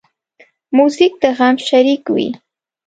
موزیک د غم شریک وي.